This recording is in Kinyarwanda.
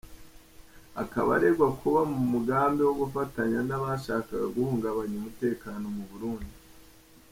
Akaba aregwa kuba mu mugambi wo gufatanya n’abashakaga guhungabanya umutekano mu Burundi.